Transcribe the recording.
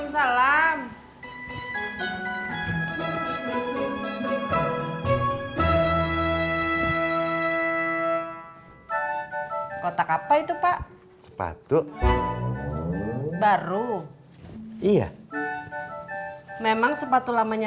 sampai jumpa di video selanjutnya